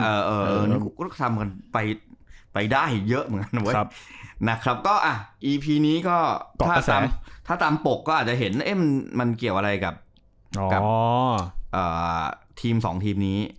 เออก็ทำไปได้เยอะเหมือนกันนะเว้ยนะครับก็อ่ะอีพีนี้ก็ถ้าตามปกก็อาจจะเห็นมันเกี่ยวอะไรกับทีม๒ทีมนี้